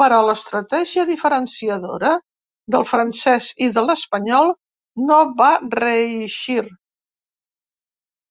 Però l'estratègia diferenciadora del francès i de l'espanyol no va reeixir.